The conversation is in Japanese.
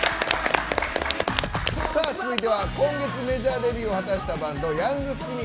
続いては今月メジャーデビューを果たしたバンドヤングスキニー。